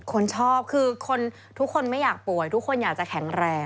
คนชอบคือทุกคนไม่อยากป่วยทุกคนอยากจะแข็งแรง